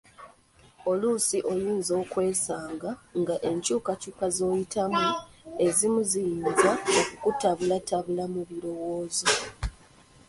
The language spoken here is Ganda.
Oluusi oyinza okwesanga ng'enkyukakyuka zoyitamu ezimu ziyinza okukutabulatabula mu birowoozo.